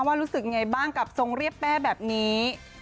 รู้สึกยังไงบ้างกับทรงเรียบแป้แบบนี้